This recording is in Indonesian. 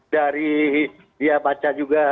dari dia baca juga